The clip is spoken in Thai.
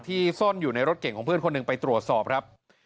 ซ่อนอยู่ในรถเก่งของเพื่อนคนหนึ่งไปตรวจสอบครับ